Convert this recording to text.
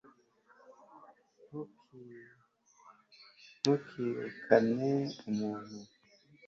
ntukirukane umuntu